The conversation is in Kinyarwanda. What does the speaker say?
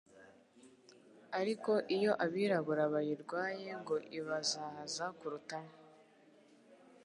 ariko iyo abirabura bayirwaye ngo ibazahaza kurutaho